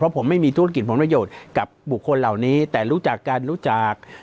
ผมไม่มีธุรกิจผลประโยชน์กับบุคคลเหล่านี้แต่รู้จักกันรู้จัก